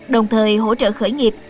đồng thời hỗ trợ khởi nghiệp